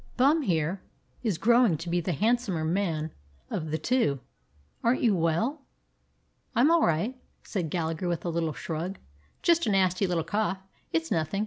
Bum here is growing to be the handsomer man of the two. Aren't you well?" "I 'm all right," said Gallagher with a little shrug. "Jest a nasty little cough. It 's noth in'.